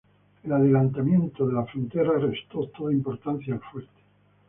El adelantamiento de la frontera restó toda importancia al fuerte.